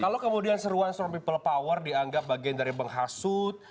kalau kemudian seruan sort people power dianggap bagian dari menghasut